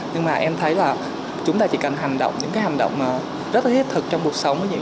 nhưng em thấy chúng ta chỉ cần hành động những hành động rất thiết thực trong cuộc sống